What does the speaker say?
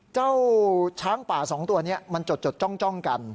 เจ้าช้างป่า๒ตัวนี้มันจดจ้องกัน